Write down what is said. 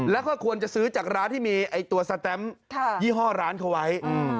แล้วก็ควรจะซื้อจากร้านที่มีไอ้ตัวสแตมยี่ห้อร้านเขาไว้